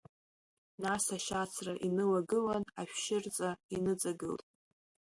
Нас ашьацра инылагылан, ашәшьырҵа иныҵагылт.